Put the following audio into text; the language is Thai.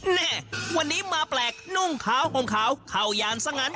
แม่วันนี้มาแปลกนุ่งขาวห่มขาวเข้ายานซะงั้น